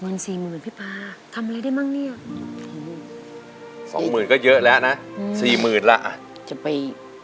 สี่หมื่นพี่ปลาทำอะไรได้มั้งเนี่ยสองหมื่นก็เยอะแล้วนะอืมสี่หมื่นแล้วอ่ะจะไป